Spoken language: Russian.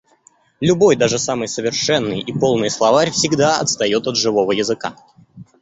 Любой даже самый совершенный и полный словарь всегда отстаёт от живого языка.